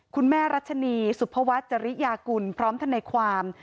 คุณแม่รัชนีสุภวัฒน์จริยากุลพร้อมท่านในความ